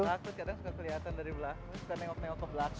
aku kadang suka kelihatan dari belakang suka nengok neok ke belakang